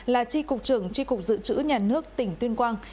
là tri cục trưởng tri cục dự trữ nhà nước tỉnh tuyên quang